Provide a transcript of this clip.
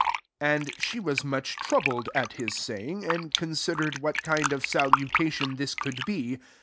"] 39 And she was much troubled at his sayings and considered what kind of salutation this could be.